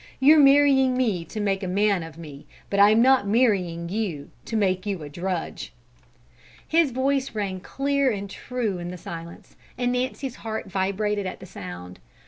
You're marrying me to make a man of me, but I'm not marrying you to make you a drudge." His voice rang clear and true in the silence, and Nancy's heart vibrated at the sound.